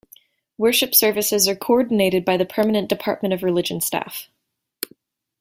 Worship services are coordinated by the permanent Department of Religion staff.